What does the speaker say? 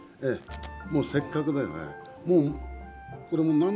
もうせっかくだから。